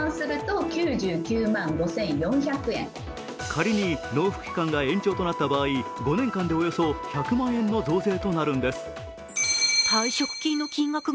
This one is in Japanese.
仮に納付期間が延長となった場合、５年間でおよそ１００万円の増税となるんです